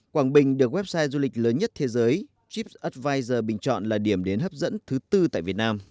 quảng bình được website du lịch lớn nhất thế giới chips ad prizer bình chọn là điểm đến hấp dẫn thứ tư tại việt nam